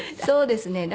そうですね。